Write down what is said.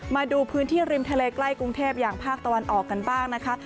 มาดูพื้นที่ริมทะเลใกล้กรุงเทพอย่างภาคตะวันออกกันบ้างนะคะ